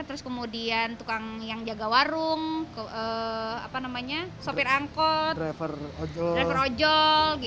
tukang yang jaga warung sopir angkot driver ojol